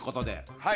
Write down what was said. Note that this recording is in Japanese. はい。